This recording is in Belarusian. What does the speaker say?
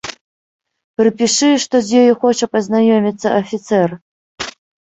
Прыпішы, што з ёю хоча пазнаёміцца афіцэр.